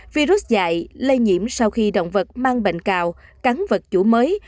virus dạy lây nhiễm sau khi động vật mang bệnh cào cắn vật chủ mới